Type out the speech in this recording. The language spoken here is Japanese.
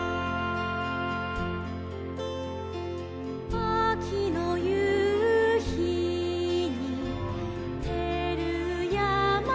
「あきのゆうひにてるやまもみじ」